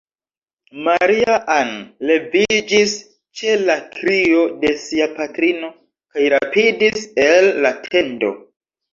Maria-Ann leviĝis ĉe la krio de sia patrino, kaj rapidis el la tendo.